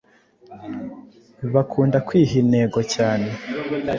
bakunda kwiha intego cyane